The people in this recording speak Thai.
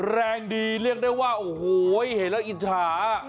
แรงดีเรียกได้ว่าโอ้โหเห็นแล้วอิจฉา